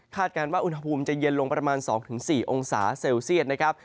การว่าอุณหภูมิจะเย็นลงประมาณ๒๔องศาเซลเซียตนะครับ